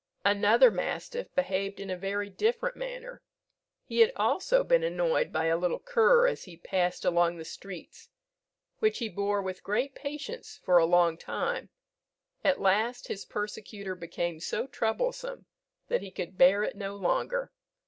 Another mastiff behaved in a very different manner. He had also been annoyed by a little cur as he passed along the streets, which he bore with great patience for a long time; at last his persecutor became so troublesome that he could bear it no longer.